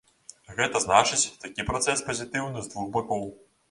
Гэта значыць, такі працэс пазітыўны з двух бакоў.